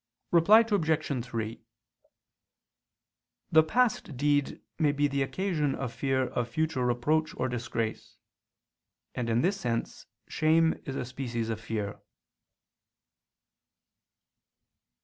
Reply Obj. 3: The past deed may be the occasion of fear of future reproach or disgrace: and in this sense shame is a species of fear.